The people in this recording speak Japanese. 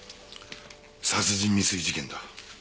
殺人未遂事件だ。